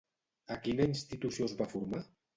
A quina institució es va formar?